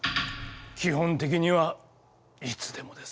基本的にはいつでもです。